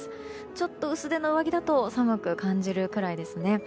ちょっと薄手の上着だと寒く感じるぐらいですね。